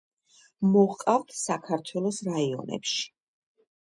მოჰყავთ საქართველოს რაიონებში.